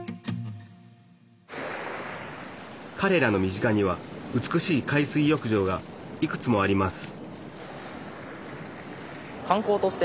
かれらの身近には美しい海水浴場がいくつもあります